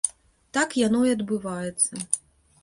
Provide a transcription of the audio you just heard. Так яно і адбываецца.